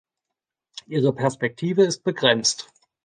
Ihre Perspektive ist begrenzt.